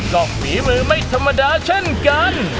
ก็ฝีมือไม่ธรรมดาเช่นกัน